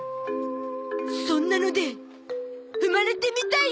そんなので踏まれてみたいなって。